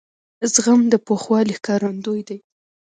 زغم د پوخوالي ښکارندوی دی.